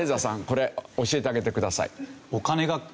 これ教えてあげてください。